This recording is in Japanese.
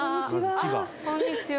こんにちは